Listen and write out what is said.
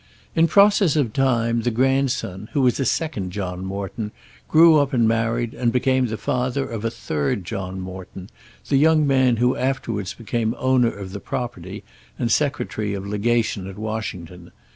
In process of time the grandson, who was a second John Morton, grew up and married, and became the father of a third John Morton, the young man who afterwards became owner of the property and Secretary of Legation at Washington.